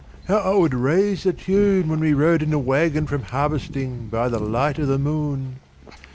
How 'a would raise the tune When we rode in the waggon from harvesting By the light o' the moon!